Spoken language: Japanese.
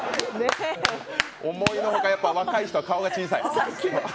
思いの外、若い人は顔が小さい。